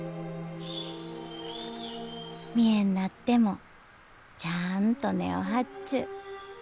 見えんなってもちゃあんと根を張っちゅう。